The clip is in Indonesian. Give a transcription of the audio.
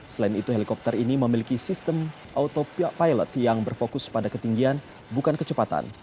selain itu helikopter ini memiliki sistem autopia pilot yang berfokus pada ketinggian bukan kecepatan